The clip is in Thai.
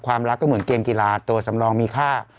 รักก็เหมือนเกมกีฬาตัวสำรองมีค่า